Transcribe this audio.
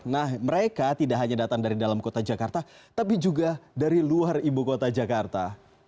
nah mereka tidak hanya datang dari dalam kota jakarta tapi juga dari luar ibu kota jakarta